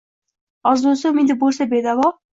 Orzusi, umidi bo‘lsa bedavo